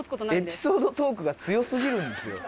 エピソードトークが強過ぎるんですよ。